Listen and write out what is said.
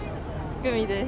グミです。